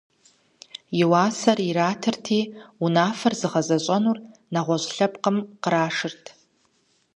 И уасэр иратырти, унафэр зыгъэзэщӏэнур нэгъуэщӏ лъэпкъым кърашырт.